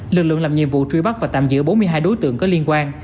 lực lượng làm nhiệm vụ truy bắt và tạm giữ bốn mươi hai đối tượng có liên quan